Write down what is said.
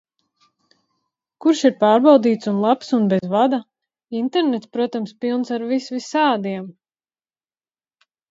Kurš ir pārbaudīts un labs un bez vada? Internets, protams, pilns ar visvisādiem...